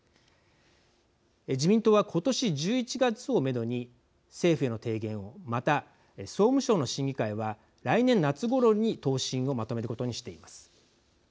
自民党は今年１１月をめどに政府への提言をまた総務省の審議会は来年夏ごろに答申をまとめることにしています。